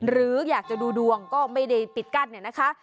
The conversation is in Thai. หรืออยากจะดูดวงก็ไม่ได้ปิดกั้นเนี่ยนะคะ